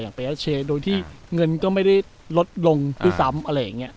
ไปเอสเชโดยที่เงินก็ไม่ได้ลดลงด้วยซ้ำอะไรอย่างนี้